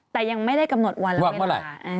แต่ยังไม่ได้กำหนดวันและเวลาเออว่าเมื่อไหร่